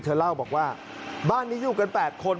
เธอเล่าบอกว่าบ้านนี้อยู่กัน๘คน